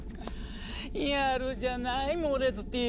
やるじゃないモレツティ。